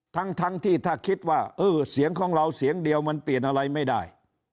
ทั้งที่ถ้าคิดว่าเออเสียงของเราเสียงเดียวมันเปลี่ยนอะไรไม่ได้